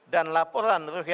dan laporan ruhyatnya